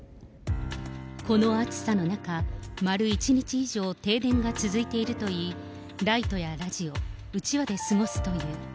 この暑さの中、丸１日以上、停電が続いているといい、ライトやラジオ、うちわで過ごすという。